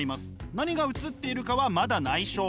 何が写っているかはまだないしょ。